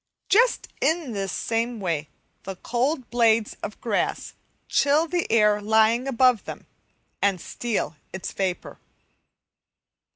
Just in this same way the cold blades of grass chill the air lying above them, and steal its vapour.